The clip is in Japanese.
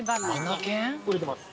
売れてます。